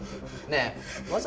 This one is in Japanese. ねえ。